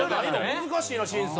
難しいな審査。